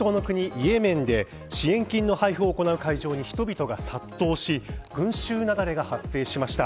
イエメンで支援金の配布を行う会場に人々が殺到し群衆雪崩が発生しました。